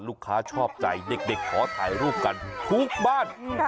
ชอบใจเด็กขอถ่ายรูปกันทุกบ้าน